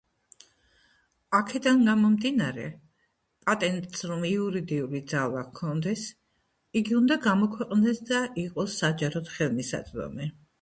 აქედან გამომდინარე, პატენტს რომ იურიდიული ძალა ჰქონდეს იგი უნდა გამოქვეყნდეს და იყოს საჯაროდ ხელმისაწვდომი.